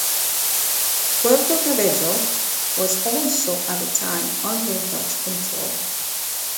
Puerto Cabello was also at that time under Dutch control.